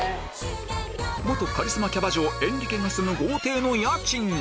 元カリスマキャバ嬢エンリケが住む豪邸の家賃は？